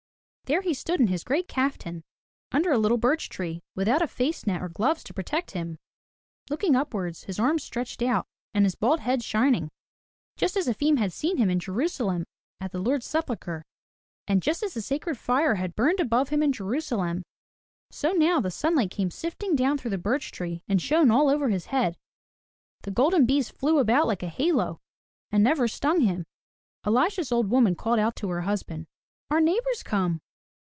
There he stood in his gray kaftan, under a little birch tree, without a face net or gloves to protect him, looking upwards, his arms stretched out, and his bald head shining, just as Efim had seen him in Jerusalem at the Lord's sepulchre. And just as the sacred fire had burned above him in Jerusalem, so now the sunlight came sifting down through the birch tree, and shone all over his head, the golden bees flew about like a halo, and never stung him. Elisha's old woman called to her husband. "Our neighbor's come!"